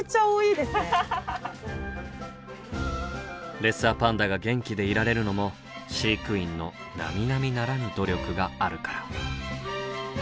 レッサーパンダが元気でいられるのも飼育員のなみなみならぬ努力があるから。